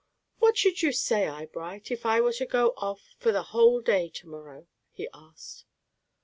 "What should you say, Eyebright, if I were to go off for the whole day to morrow?" he asked.